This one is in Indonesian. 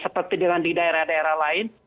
seperti dengan di daerah daerah lain